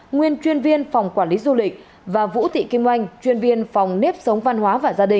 nguyễn thị vân chuyên viên phòng quản lý du lịch và vũ thị kim oanh chuyên viên phòng nếp sống văn hóa và gia đình